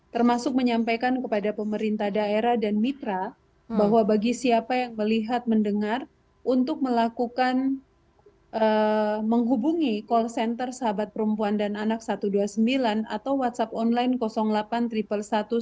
termasuk menyampaikan kepada pemerintah daerah dan mitra bahwa bagi siapa yang melihat mendengar untuk melakukan menghubungi call center sahabat perempuan dan anak satu ratus dua puluh sembilan atau whatsapp online delapan ribu satu ratus sebelas satu ratus dua puluh sembilan satu ratus dua puluh sembilan